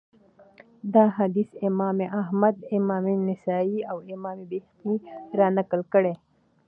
دا حديث امام احمد امام نسائي، او امام بيهقي را نقل کړی